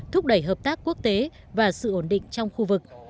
thúc đẩy hợp tác quốc tế và sự ổn định trong khu vực